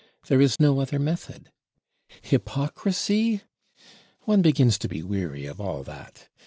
There is no other method. "Hypocrisy"? One begins to be weary of all that.